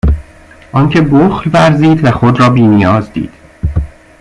آنکه بخل ورزید و خود را بینیاز دید